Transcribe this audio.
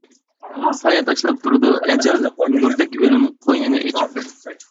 سايە تاشلاپ تۇرىدۇ ئەجەل، نۇردەك ئۆلۈم قوينىنى ئېچىپ.